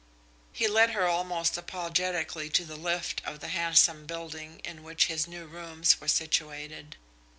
He led her almost apologetically to the lift of the handsome building in which his new rooms were situated.